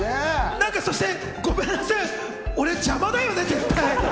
そしてごめんなさい、俺、邪魔だよね、絶対。